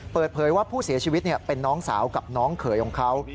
เปิดเผยว่าผู้เสียชีวิตเป็นน้องสาวกับน้องเขยของเขา